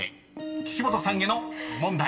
［岸本さんへの問題］